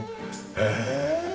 へえ。